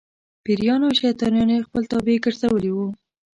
پېریان او شیطانان یې خپل تابع ګرځولي وو.